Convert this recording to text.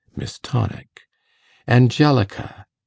. MISS TONIC. Angelica